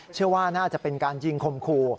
เชื่อว่าน่าจะเป็นการยิงคมคู่